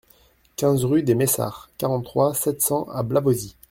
quinze rue des Maissard, quarante-trois, sept cents à Blavozy